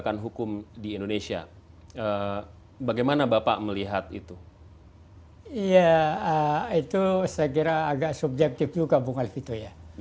itu saya kira agak subjektif juga bung alvito ya